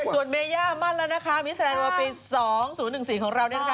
ส่วนเมย่ามันแล้วนะคะมีแสดงว่าปี๒๐๑๔ของเรา